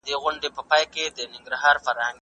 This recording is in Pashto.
دا پروژه د کورنیو لپاره ده.